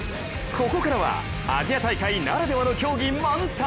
ここからはアジア大会ならではの競技満載。